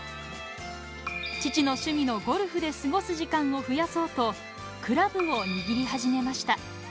父の趣味のゴルフで過ごす時間を増やそうと、クラブを握り始めました。